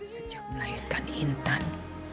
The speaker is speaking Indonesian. sejak melahirkan intan